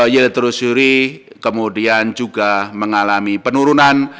yield trusuri kemudian juga mengalami penurunan